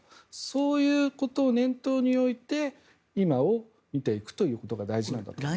そういうことを念頭に置いて今を見ていくということが大事なんだと思います。